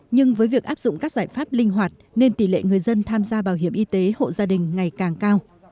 nhưng với việc áp dụng các giải pháp linh hoạt nên tỷ lệ người dân tham gia bảo hiểm y tế hộ gia đình ngày càng cao